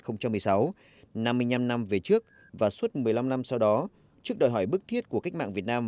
một nghìn chín trăm sáu mươi một hai nghìn một mươi sáu năm mươi năm năm về trước và suốt một mươi năm năm sau đó trước đòi hỏi bức thiết của cách mạng việt nam